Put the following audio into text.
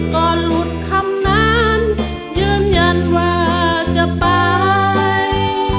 ก็หลุดคำนั้นยืนยันว่าจะไป